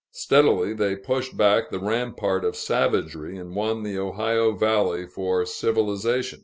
Steadily they pushed back the rampart of savagery, and won the Ohio valley for civilization.